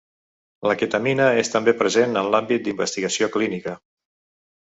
La Ketamina és també present en l'àmbit d'investigació clínica.